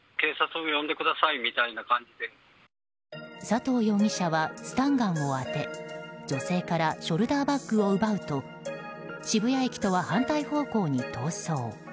佐藤容疑者はスタンガンを当て女性からショルダーバッグを奪うと渋谷駅とは反対方向に逃走。